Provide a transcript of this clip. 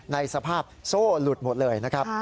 ในสภาพโซ่หลุดหมดเลยนะครับ